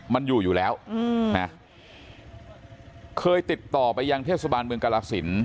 มันอยู่อยู่แล้วนะเคยติดต่อไปยังเทศบาลเมืองกรสิน